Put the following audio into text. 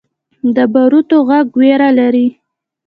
د باروتو غږ ویره لري.